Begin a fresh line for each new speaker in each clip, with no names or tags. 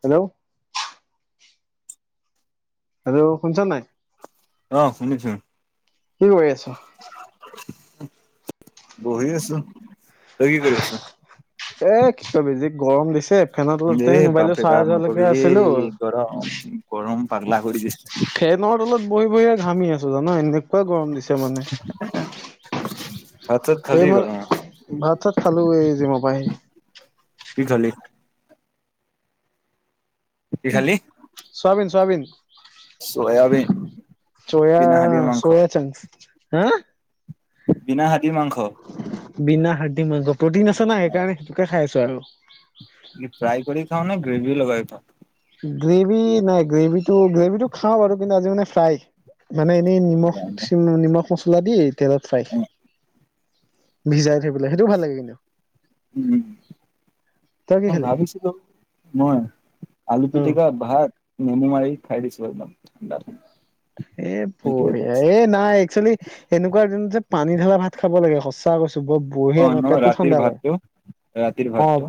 Hello আৰু শুনিছ নাই?
আহ শুনিছো।
কি কৰি আছ?
বহি আছো তই কি কৰি আছ?
এ কিবি যি গৰম দিছে। ফেনৰ তলতে
এ
মোবাইলটো
বাপৰে বাপ
চাৰ্জ হোৱালৈকে
নকবি
আছিলো
এই গৰম গৰম পাগলা কৰি দিছে
ফেনৰ তলত বহি বহিয়ে ঘামি আছো জানা এনেকুৱা গৰম দিছে মানে।
[unintelligible]
সেই
খালি
মই
গৰমত
ভাত চাত খালো এই যি'মপা আহি।
কি খালি? কি
চাৱাবিন, চাৱাবিন।
চয়াবীন?
চয়া চয়া চাঙ হা
বিনা হাতীৰ মাংস।
বিনা হাৰদি মাংস প্ৰটিন আছে না সেইকাৰণে সেইটোকে খাই আছো আৰু।
ফ্ৰাই কৰি খাওঁ না গ্ৰেভি লগাই খাওঁ?
গ্ৰেভি নাই গ্ৰেভিটো গ্ৰেভি টো খাও বাৰু কিন্তু আজি মানে ফ্ৰাই। মানে এনেই নিমখ নিমখ মছলা দি তেলত ফ্ৰাই।
উম
ভিজাই থৈ পেলাই সেইটো ভাল লাগে কিন্তু। তই
ম
কি খালি?
ভাবিছিলো মই আলু।
অ',
পিটিকা ভাত নেমু মাৰি খাই দিছো একদম ঠাণ্ডা ঠাণ্ডা।
এ
সেইটোৱে
বঢ়িয়া
বেষ্ট।
এ নাই একচুৱেলি এনেকুৱা যোন পানী ঢালা ভাত খাব লাগে সঁচা কৈছো বৰ
অ
বঢ়িয়া ভাত
ন
পেটটো
ৰাতিৰ
ঠাণ্ডা কৰে
ভাতটো ৰাতিৰ
অ
ভাতটো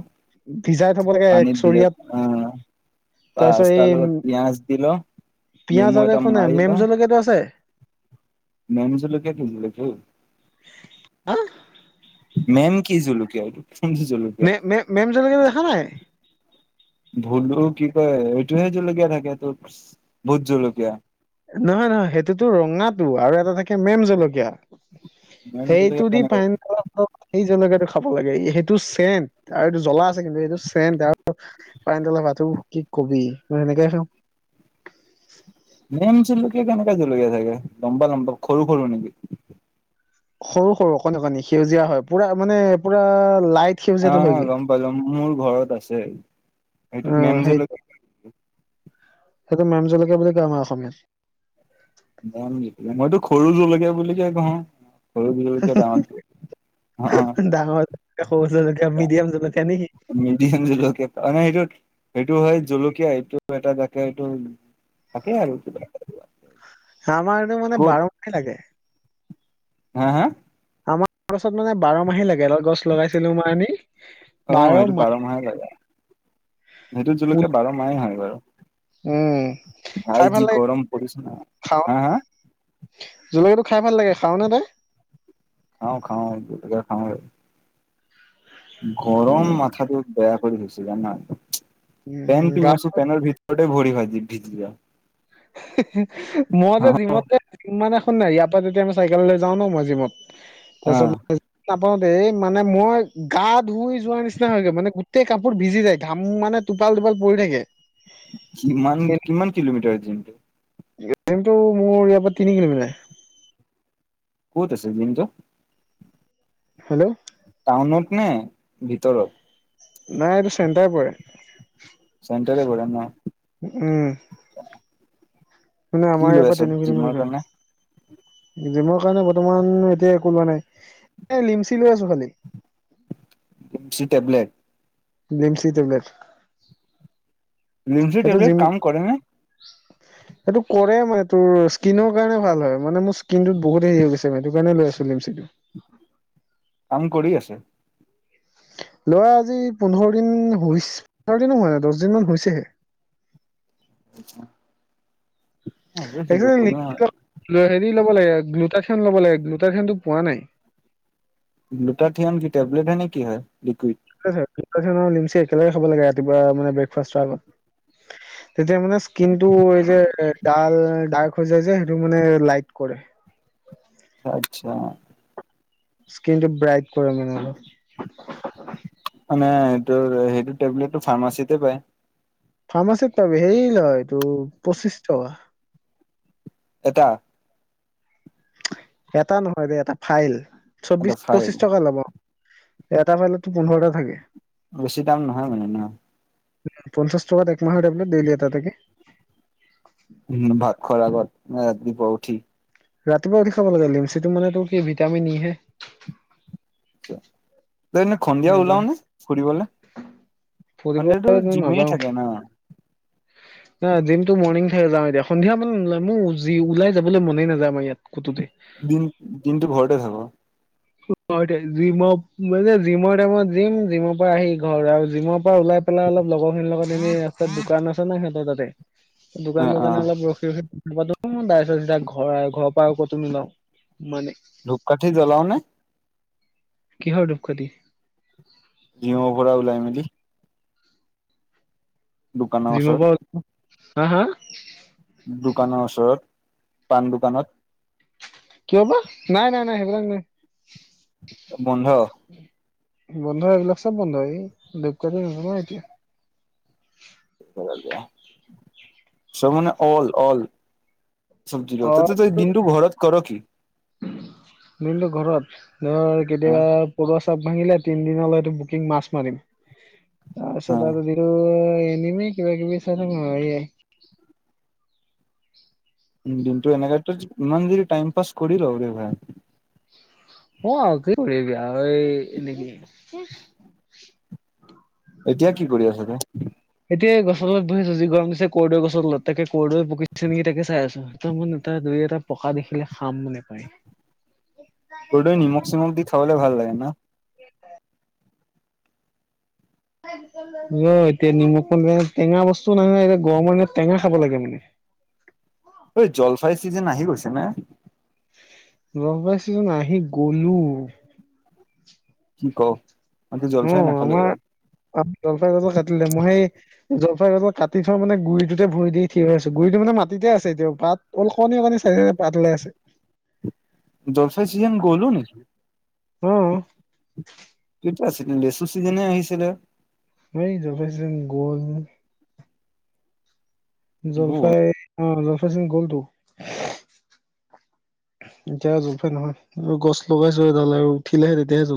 ভিজাই থব লাগে এক চৰিয়াত
বাচ তাৰ লগত পিয়াজ দি লহ নেমু এটা
হয়নে
মাৰি
মেম
লওঁ
জলকীয়াটো আছে
মেম জলকীয়া কি জলকীয়া অ
আ
মেম কি জলকীয়া এটো
মে মেম মেমজলকীয়াটো দেখা নাই
ভুত গৰু কি কয় এইটোহে জলকীয়া থাকে তোৰ ভোত জলকীয়া
নহয় নহয় সেইটোতো ৰঙাটো আৰু এটা থাকে মেম জলকীয়া
মেম
সেইটো
জলকীয়া
দি
কেনেকুৱা
ফেইন অ হক সেই জলকীয়াটো খাব লাগে ই সেইটো চেণ্ট আৰু এইটো জ্বলা আছে কিন্তু সেইটো চেন্ট আৰু পানীতুলা ভাত ত কি কবি মই সেনেকে আছোং
[inaudible] মেম জলকীয়া কেনেকা জলকীয়া থাকে লম্বা লম্বা সৰু সৰু নেকি
সৰু সৰু অকণী অকণী সেউজীয়া হয় পুৰা মানে পুৰা লাইট
অ
সেউজীয়াটো হয়গে
গম পালোঁ গম মোৰ ঘৰত আছে
অ
সেইটো মেম
সেইটো
জলকীয়া
সেইটো মেম জলকীয়া বুলি কই আমাৰ অসমীয়াত
মেম জলকীয়া মইতো সৰু জলকীয়া বুলিহে কওঁ সৰু
হ
জলকীয়া ডাঙৰ অ
হ হ হৌ ডাঙৰ জলকীয়া সৰু জলকীয়া মিডিয়াম জলকীয়া নেকি।
মিডিয়াম জলকীয়া মানে সেইটো সেইটো হয় জলকীয়া এইটো এটা তাকে এইটো। থাকে আৰু
আমাৰটো মানে বাৰ মাহ লাগে।
হাঁ হাঁ।
আমাৰ ওচৰত মানে বাৰ মাহে লাগে এদাল গছ লগাইছিলো মই আনি
অ
বাৰ
সেইটো
মাহে।
লাগে সেইটো জলকীয়া বাৰ মাহে হয়
উম
বাৰু।
খাই
ভাই
ভাল
যি
লাগে
গৰম পৰিছে ন
খাওঁ
হাঁ হাঁ
জলকীয়াটো খাই ভাল লাগে খাওঁ নে তই।
খাওঁ খাওঁ জলকীয়া খাওঁ আৰু। গৰম
উম
মাথাটো বেয়া কৰি দিছেজানা পেন
উম গা
পিন্ধি আছো পেনৰ ভিতৰত। তোৰে ভৰি ভাজি ভিজগিয়া।
মই যে জিমতে মানে। নাই ইয়াৰ পৰা যেতিয়া মই চাইকেললৈ যাওঁ ন মই জিমত
অ
তাৰছ এই মানে মই গা ধুই যোৱা নিচিনা হৈ গৈ মানে গোটেই কাপোৰ ভিজি যায় ঘাম মানেটো। টুপাল টুপাল পৰি থাকে।
কিমান কিমান কিলোমিটাৰ জিমটো।
জিমটো মোৰ ইয়াৰ পৰা তিনি কিলোমিটাৰ।
ক'ত আছে দিনটো।
হেল্ল'।
টাউনত নে ভিতৰত।
নাই এইটো চেন্তাই পৰে।
চেণ্টৰে পৰে ন।
উম মানে
কি
আমাৰ
লৈ
ইয়াৰ পৰা
আছ
তিনি
জিমৰ কাৰণে
কিলোমিটাৰ। জিমৰ কাৰণে বৰ্তমান এতিয়া একো লোৱা নাই এ লিমচি লৈ আছো খালি।
[inaudible] Limcee tablet
Limcee tablet
Limcee
সেইটো
টেবলেট
জিম
কাম কৰে নে?
সেইটো কৰে মানে তোৰ স্কিনৰ কাৰণে ভাল হয় মানে মোৰ স্কিনত বহুত হেৰি হৈ গৈছে হেটো কাৰণে লৈ আছো। জিম চিম
কাম কৰি আছে।
লৰা আজি পোন্ধৰ দিন পোন্ধৰ দিনো হয় দহ দিন মান হৈছেহে।
[unintelligible] অ
এক
কৰিম
হেৰি ল'ব লাগে দুটা। ল'ব লাগে দুটাৰ খনতো পোৱা নাই।
লুটাথিয়ন কি টেবলেট হে নে কি হয় লিকুইড।
লিমচি একেলগে খাব লাগে ৰাতিপুৱা মানে ব্ৰেকফাষ্টৰ আগত। তেতিয়া মানে স্কিন টো এই যে ডাল ডাৰ্ক হৈ যায় যে সেইটো মানে লাইট কৰে।
আচ্ছা।
স্কিনটো ব্ৰাইট কৰে মনে।
মানে এইটোৰ সেইটো টেবলেটটো ফাৰ্মাচীতে পায়।
ফাৰ্মাচিতত পাব সেইৰি লয় টোৰ পঁচিছ টকা।
এটা।
এটা নহয় দে এটা ফাইল চৌবিশ
এটা ফাইল
পঁচিশ টকা ল'ব। এটা পেলেতো পোন্ধৰটা থাকে।
বেছি দাম নহয় মানে ন।
পঞ্চাশ টকাত একমাহৰ টেবলেট দেইলি এটা।
উ ভাত খোৱাৰ আগত নে ৰাতি পোৱা উঠি।
ৰাতিপুৱা উঠি খাব লাগে লিমচিটো মানে তোৰ কি ভিটামিন ইহে।
এনেই সন্ধিয়া ওলাৱ নে ফুৰিবলে।
ফুৰিব
সন্ধিতো জিমে থাকে ন
ন দিনটো মৰৰ্ণিং যাওঁ এতিয়া সন্ধিয়া নলাই মই ওলাই যাব মনে নাযায় আমাৰ ইয়াত কতো
দিন দিনটো ঘৰতে থাক
জিমৰ মানে জিমৰ টাইমত জিম জিমৰ পৰা আহি ঘৰ আৰু জিমৰ ত ওলাই পেলাই অল লগৰ খিনিৰ লগত এমি ৰাস্তাত দোকান আছে না সিহতৰ তাতে
অ
দোকান
অ
দোকানে অলপ ৰখি ৰখি ঘৰ ঘৰৰ পৰা আ কতো নোলাও মানে
ধূপকাঠি জলাৱ নে?
কিহৰ ধুপকাঠি
জিমৰ পৰা ওলাই মেলি দোকানৰ
জিমৰ
ওচৰত
পৰা হা হা
দোকানৰ ওচৰত পাণ দোকানত
কিয় বা নাই নাই নাই হেই বিলাক নাই।
বন্ধ
বন্ধ এইবিলাক চব বন্ধ এই বেগ কৰিব নোৱাৰ এতিয়া
চব মানে অল অল চব্জিৰ লগ তাতে তই দিনটো ঘৰত কৰ কি?
দিনটো ঘৰত ধৰ
অ
কেতিয়াবা পৰুৱা চাপ ভাঙিলে তিনি দিনত এইটো বুকিং মাছ মাৰিম
অ
আচ্ছা এনেও কিবা কিবি নোৱাৰিযে।
[unintelligible] উম দিনটো এনেকা ইমান দেৰি টাইম পাছ কৰি লওঁ দে ভাই
অ আৰু কয়া এনে কি
এতিয়া কি কৰি আছ
গছলত বহিছো যিৰম দিছে কৰ্দৈ গছ তত তে কদৈ পকিছে নেকি তাকে চাই আছো ত মান এটা দুই এটা [unintelligible] থকা দেখিলে খাম নে পায়
[unintelligible] [inaudible] কটো নিমখ চিমখ দি খাবালে ভাল লাগে ন
[unintelligible] ৰ এতিয়া নিমখ টেঙা বস্তু নাইয়ে এতিয়া গৰমৰ দিনত টেঙা খাব লাগে মানে।
ঐ জলফাই চিজেন আহি গৈছে না।
লগ পাইছোন আহি গলো।
ক
অ আমাৰ জলপাই গছ কাটিলে মই সেই জলফাইগছ কাটি থোৱা মানে গুৰিটোতে ভৰি দি থিয় হৈ আছে গুৰিটো মানে মাটতে আছে এতিয়া পাত অলকণনি কানী চাই পাত লৈ আছে।
জলফাই চিযেন গ'লোন
উম
ছিল লেচু চিজনে আহিছিলে
সেই জলফাই চিজন গ'ল নহয়।
বু
জলফাই অ জলফাই চিজন গ'লটো এতিয়া জুকহে নহয় আৰু গছ লগাইছো এডাল আৰু উঠিলেহে তেতিয়াহে জ